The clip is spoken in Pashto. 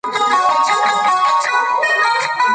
د ملکیار هوتک په کلام کې د ژوند د حقایقو بیان شوی دی.